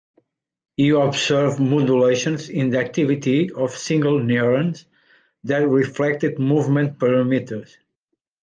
He observed modulations in the activity of single neurons that reflected movement parameters.